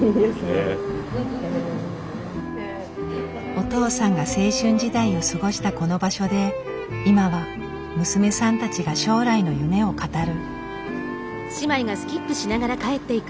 お父さんが青春時代を過ごしたこの場所で今は娘さんたちが将来の夢を語る。